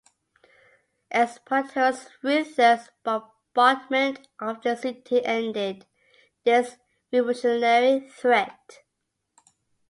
Espartero's ruthless bombardment of the city ended this revolutionary threat.